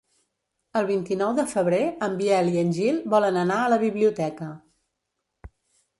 El vint-i-nou de febrer en Biel i en Gil volen anar a la biblioteca.